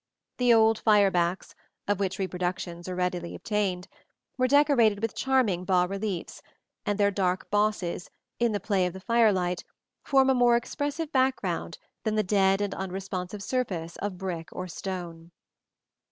The old fire backs (of which reproductions are readily obtained) were decorated with charming bas reliefs, and their dark bosses, in the play of the firelight, form a more expressive background than the dead and unresponsive surface of brick or stone.